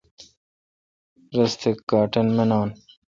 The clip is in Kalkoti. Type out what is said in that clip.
رس تہ کاٹن منان۔